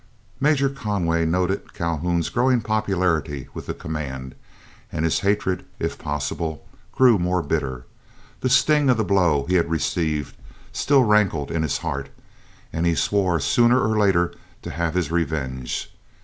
Major Conway noted Calhoun's growing popularity with the command, and his hatred, if possible, grew more bitter. The sting of the blow he had received still rankled in his heart, and he swore sooner or later to have his revenge.